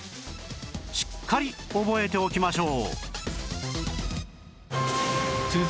しっかり覚えておきましょう